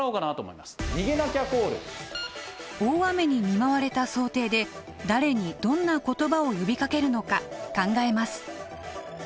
大雨に見舞われた想定で誰にどんな言葉を呼びかけるのか考えます。